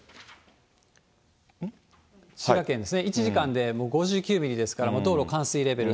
滋賀県ですね、１時間で５９ミリですから、道路冠水レベル。